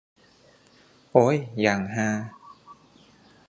โอ้ย อย่างฮา